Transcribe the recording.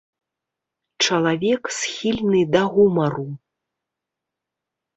Чалавек, схільны да гумару.